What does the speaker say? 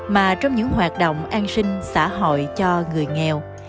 mà trong những hoạt động an sinh xã hội cho người nghèo